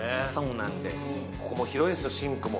ここも広いですシンクも。